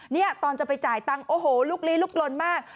เนี่ยตอนจะไปจ่ายตังค์โอ้โหลุกลี้ลุกลนมาก